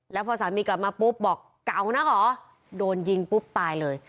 แล้วพอสามีกลับมาปุ๊บบอกเก๋านะเหรอโดนยิงปุ๊บตายเลย